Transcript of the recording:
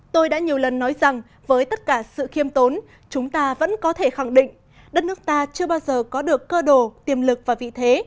tôi đã nhiều lần nói rằng với tất cả sự khiêm tốn chúng ta vẫn có thể khẳng định đất nước ta chưa bao giờ có được cơ đồ tiềm lực và vị thế